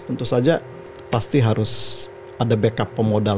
tentu saja pasti harus ada backup pemodal